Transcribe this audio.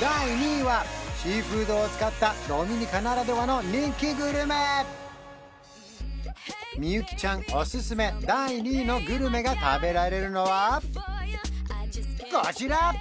第２位はシーフードを使ったドミニカならではの人気グルメみゆきちゃんおすすめ第２位のグルメが食べられるのはこちら！